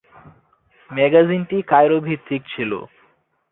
ম্যাগাজিনটি Cairo ভিত্তিক ছিল।